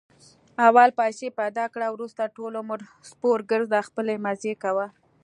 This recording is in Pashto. اول پیسې پیدا کړه، ورسته ټول عمر سپورګرځه خپلې مزې کوه.